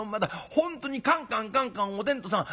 本当にカンカンカンカンおてんとさん